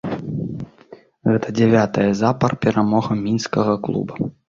Гэта дзявятая запар перамога мінскага клуба.